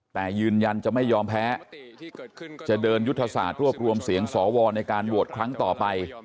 แต่ยืนยันจะไม่ยอมแพ้จะเดินยุทธศาสตร์รวบรวมเสียงสวในการโหวตครั้งต่อไป